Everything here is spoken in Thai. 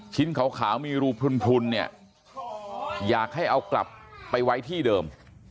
ชิ้นขาวขาวมีรูปทุนทุนเนี่ยอยากให้เอากลับไปไว้ที่เดิม